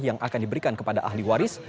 yang akan diberikan kepada ahli waris